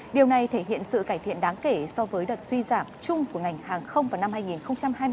điều này thể hiện sự cải thiện đáng kể so với đợt suy giảm chung của ngành hàng không vào năm hai nghìn hai mươi ba